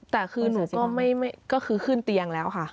แต่คือหนูก็คือขึ้นเตียงแล้วค่ะ